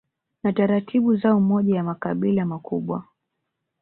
na taratibu zao Moja ya makabila makubwa